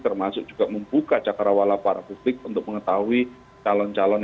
termasuk juga membuka cakrawala para publik untuk mengetahui calon calon